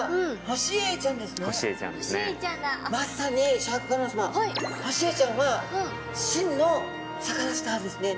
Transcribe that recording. ホシエイちゃんは真のサカナスターですね。